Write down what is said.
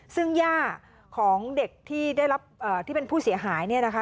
ซึ่งย่าของเด็กที่เป็นผู้เสียหายนี่นะคะ